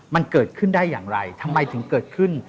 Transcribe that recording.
มันเกิดขึ้นได้อย่างไรทำไมถึงเกิดขึ้น